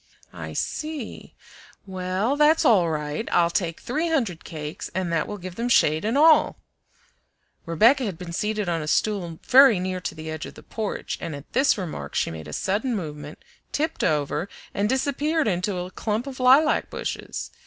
"I see. Well, that's all right. I'll take three hundred cakes, and that will give them shade and all." Rebecca had been seated on a stool very near to the edge of the porch, and at this remark she made a sudden movement, tipped over, and disappeared into a clump of lilac bushes.